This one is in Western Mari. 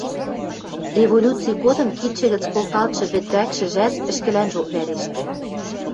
Революци годым кидшӹ гӹц колталтшы вӹд вӓкшӹжӓт ӹшкӹлӓнжок вӓрештӹ.